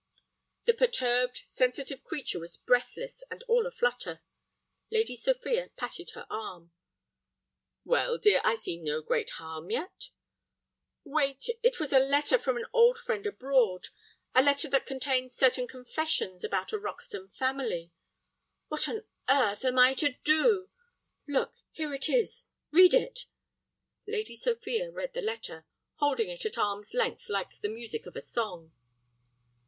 The perturbed, sensitive creature was breathless and all a flutter. Lady Sophia patted her arm. "Well, dear, I see no great harm yet—" "Wait! It was a letter from an old friend abroad, a letter that contained certain confessions about a Roxton family. What on earth am I to do? Look, here it is, read it." Lady Sophia read the letter, holding it at arm's length like the music of a song.